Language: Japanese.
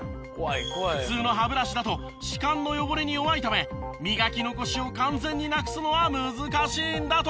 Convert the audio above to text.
普通の歯ブラシだと歯間の汚れに弱いため磨き残しを完全になくすのは難しいんだとか。